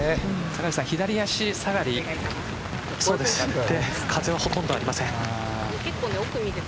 戸張さん、左足下がり風は、ほとんどありません。